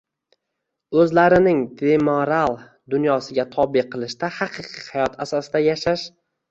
o‘zlarining demoral dunyosiga tobe qilishda, haqiqiy hayot asosida yashash